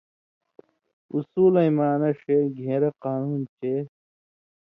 اُصولَیں معنہ ݜے گھېن٘رہ قانُون چے